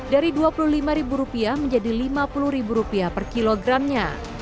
dari rp dua puluh lima menjadi rp lima puluh per kilogramnya